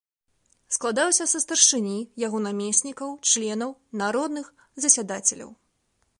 Складаўся са старшыні, яго намеснікаў, членаў, народных засядацеляў.